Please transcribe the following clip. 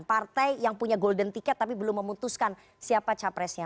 partai yang punya golden ticket tapi belum memutuskan siapa capresnya